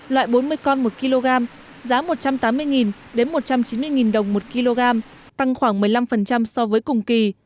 loại bốn mươi con một kg giá một trăm tám mươi đến một trăm chín mươi đồng một kg tăng khoảng một mươi năm so với cùng kỳ